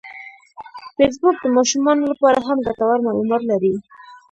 فېسبوک د ماشومانو لپاره هم ګټور معلومات لري